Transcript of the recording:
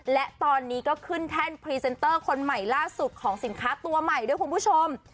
และตอนนี้ก็ขึ้นแท่นพรีเซนเตอร์คนใหม่ล่าสุดของสินค้าตัวใหม่ด้วยคุณผู้ชม